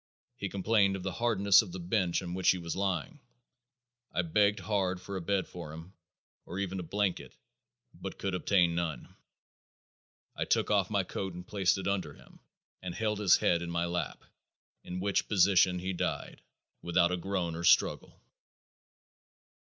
He complained of the hardness of the bench on which he was lying. I begged hard for a bed for him, or even a blanket, but could obtain none. I took off my coat and placed it under him and held his head in my lap, in which position he died without a groan or struggle."